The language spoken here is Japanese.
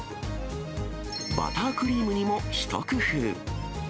バタークリームにもひと工夫。